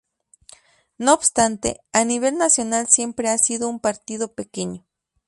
No obstante, a nivel nacional siempre ha sido un partido pequeño.